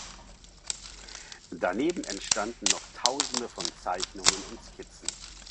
Daneben entstanden noch Tausende von Zeichnungen und Skizzen.